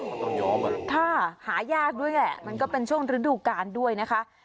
มันต้องยอมอ่ะค่ะหายากด้วยแหละมันก็เป็นช่วงฤดูกาลด้วยนะคะ